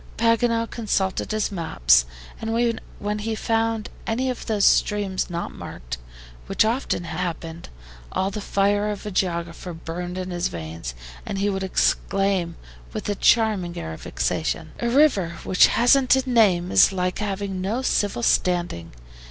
Paganel consulted his maps, and when he found any of those streams not marked, which often happened, all the fire of a geographer burned in his veins, and he would exclaim, with a charming air of vexation: "A river which hasn't a name is like having no civil standing.